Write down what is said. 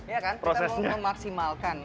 ya kan kita memaksimalkan